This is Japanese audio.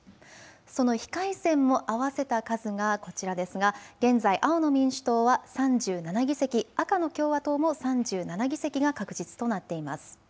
その非改選も合わせた数がこちらですが現在、青の民主党は３７議席、赤の共和党も３７議席が確実となっています。